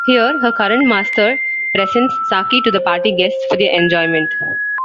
Here, her current master presents Saki to the party guests for their enjoyment.